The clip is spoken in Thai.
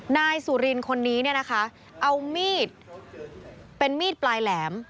นายสุรินคนนี้เนี่ยนะคะเอามีดเป็นมีดปลายแหลม